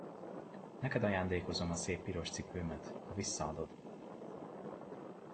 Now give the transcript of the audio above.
Neked ajándékozom a szép piros cipőmet, ha visszaadod.